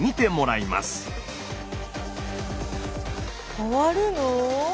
変わるの？